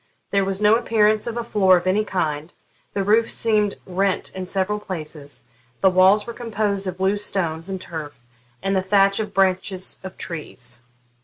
There was no appearance of a floor of any kind; the roof seemed rent in several places; the walls were composed of loose stones and turf, and the thatch of branches of trees.